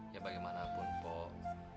ya bagaimanapun pok